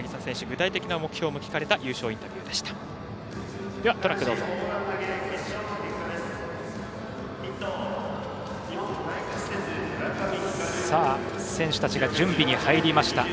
具体的な目標も聞かれた優勝インタビューでした。